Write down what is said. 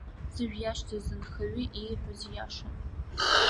Зыжә иашьҭаз анхаҩы ииҳәаз иашан.